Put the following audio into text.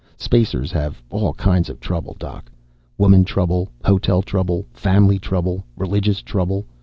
Spacers have all kinds of trouble, Doc. Woman trouble. Hotel trouble. Fam'ly trouble. Religious trouble.